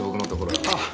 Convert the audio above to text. あっ！